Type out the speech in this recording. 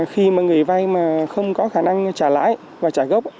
khi mà người vay mà không có khả năng trả lãi và trả gốc